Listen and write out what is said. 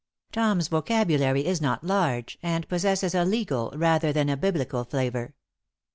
Tom's vocabulary is not large, and possesses a legal rather than a Biblical flavor.